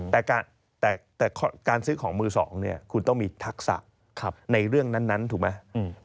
แต่การซื้อของมือสองเนี่ยคุณต้องมีทักษะในเรื่องนั้นถูกไหม